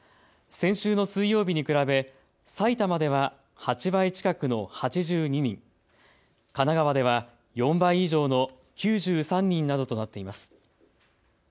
先週の水曜日に比べ埼玉では８倍近くの８２人、神奈川では４倍以上の９３人などとなっています。